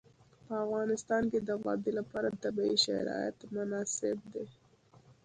په افغانستان کې د وادي لپاره طبیعي شرایط مناسب دي.